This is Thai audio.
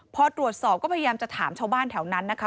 พอตรวจสอบก็พยายามจะถามชาวบ้านแถวนั้นนะคะ